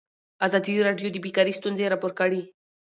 ازادي راډیو د بیکاري ستونزې راپور کړي.